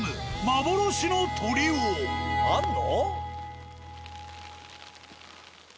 あんの？